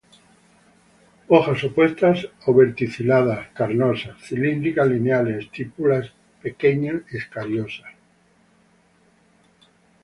Hojas opuestas o verticiladas, carnosas, cilíndricas lineales; estípulas pequeñas, escariosas.